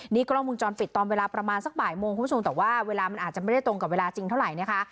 นี่กล้องมุมจรปิดตอนเวลาประมาณสักบ่ายโมงคุณผู้ชมแต่ว่าเวลามันอาจจะไม่ได้ตรงกับเวลาจริงเท่าไหร่นะคะ